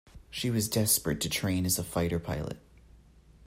She was desperate to train as a fighter pilot.